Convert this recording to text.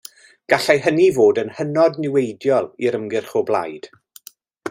Gallai hynny fod yn hynod niweidiol i'r ymgyrch o blaid.